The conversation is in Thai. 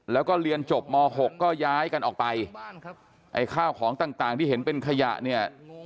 แล้วก็เรียนจบม๖ก็ย้ายกันออกไปไอ้ข้าวของต่างต่างที่เห็นเป็นขยะเนี่ย